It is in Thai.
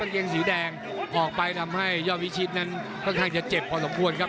เกงสีแดงออกไปทำให้ยอดวิชิตนั้นค่อนข้างจะเจ็บพอสมควรครับ